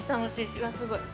うぁ、すごい。